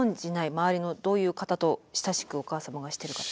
周りのどういう方と親しくお母様がしているかって。